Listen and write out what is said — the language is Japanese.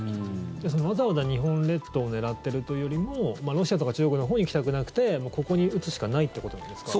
わざわざ日本列島を狙ってるというよりもロシアとか中国のほうに行きたくなくてここに撃つしかないということなんですか？